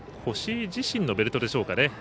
越井自身のベルトでしょうか。